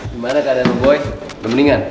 gimana keadaan lo boy udah mendingan